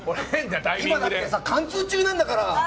だって貫通中なんだから。